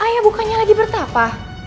ayah bukannya lagi bertapa